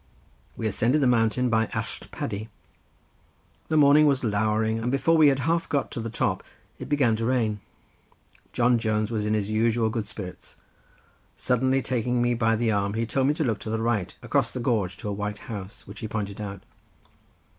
We ascended the mountain by Allt Paddy. The morning was lowering, and before we had half got to the top it began to rain. John Jones was in his usual good spirits. Suddenly taking me by the arm he told me to look to the right across the gorge to a white house, which he pointed out.